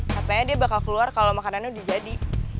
katanya dia bakal keluar kalau makanannya udah jadi